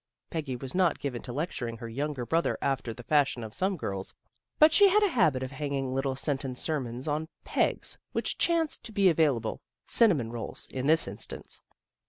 Peggy was not given to lecturing her younger brother after the fashion of some girls, but she had a habit of hanging little sentence sermons on pegs which chanced to be available cinnamon rolls, in this instance.